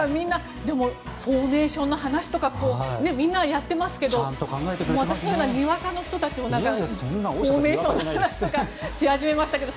フォーメーションの話とかみんな、やってますけど私のようなにわかの人たちもフォーメーションの話とかし始めましたけど。